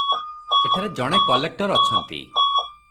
ଏଠାରେ ଜଣେ କଲେକ୍ଟର ଅଛନ୍ତି ।